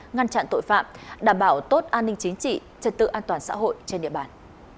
ngăn chặn tội phạm đảm bảo tốt an ninh chính trị trật tự an toàn xã hội trên địa bàn